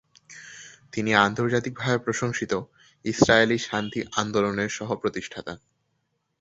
তিনি আন্তর্জাতিকভাবে প্রশংসিত ইসরায়েলি শান্তি আন্দোলনের সহ-প্রতিষ্ঠাতা।